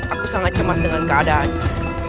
aku sangat cemas dengan keadaannya